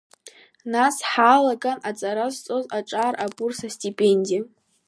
Нас ҳаалаган аҵара зҵоз аҿар абурс астипендиа…